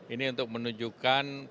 ini untuk menunjukkan perkembangan